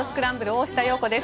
大下容子です。